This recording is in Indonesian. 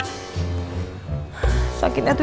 mas kue baik jmp lewat sini ya tuh